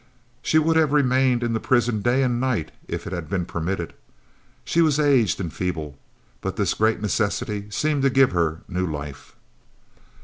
She would have remained in the prison day and night if it had been permitted. She was aged and feeble, but this great necessity seemed to give her new life.